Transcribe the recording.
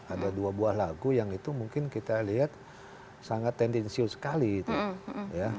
ada dua buah lagu yang itu mungkin kita lihat sangat tendensius sekali itu